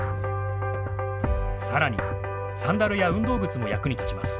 さらにサンダルや運動靴も役に立ちます。